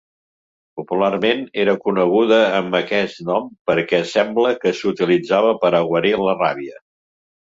Popularment, era coneguda amb aquest nom perquè sembla que s'utilitzava per a guarir la ràbia.